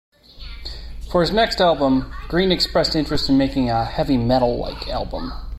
For his next album, Green expressed interest in making a heavy metal-like album.